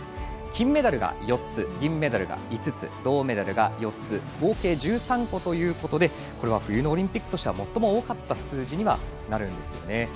金メダルが４つ、銀メダルが５つ銅メダルが４つ合計１３個ということでこれは冬のオリンピックとしては最も多かった数字になるんですね。